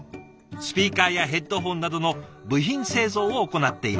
スピーカーやヘッドホンなどの部品製造を行っています。